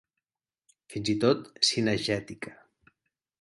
Fins i tot cinegètica.